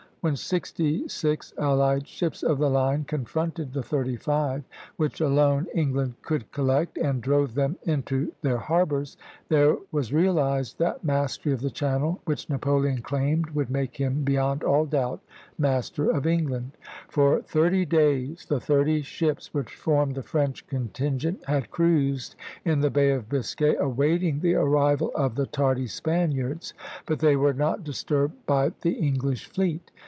When sixty six allied ships of the line confronted the thirty five which alone England could collect, and drove them into their harbors, there was realized that mastery of the Channel which Napoleon claimed would make him beyond all doubt master of England. For thirty days, the thirty ships which formed the French contingent had cruised in the Bay of Biscay, awaiting the arrival of the tardy Spaniards; but they were not disturbed by the English fleet.